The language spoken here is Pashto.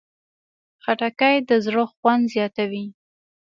خټکی د زړه خوند زیاتوي.